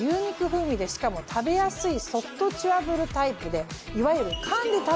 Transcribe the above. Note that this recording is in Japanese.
しかも食べやすいソフトチュアブルタイプでいわゆる。